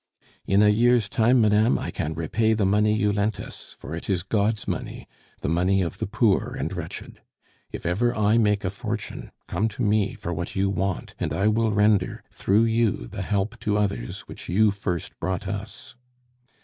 "In a year's time, madame, I can repay the money you lent us, for it is God's money, the money of the poor and wretched. If ever I make a fortune, come to me for what you want, and I will render through you the help to others which you first brought us."